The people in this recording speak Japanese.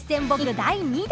第２弾。